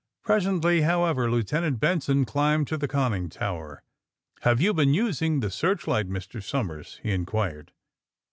Presently, however, Lieutenant Benson climbed to the conning tower. ^'Have you been using the searchlight, Mr. Somers f he inquired.